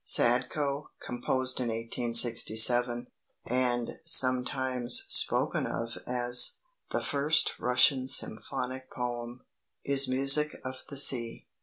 "Sadko," composed in 1867, and sometimes spoken of as "the first Russian symphonic poem," is music of the sea.